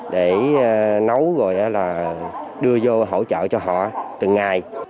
để nấu rồi là đưa vô hỗ trợ cho họ từng ngày